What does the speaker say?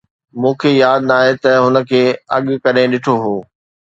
مون کي ياد ناهي ته هن کي اڳ ڪڏهن ڏٺو هو